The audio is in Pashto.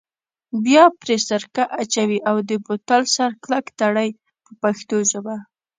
بیا پرې سرکه اچوئ او د بوتل سر کلک تړئ په پښتو ژبه.